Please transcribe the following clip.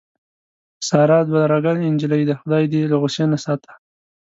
ساره دوه رګه نجیلۍ ده. خدای یې دې له غوسې نه ساته.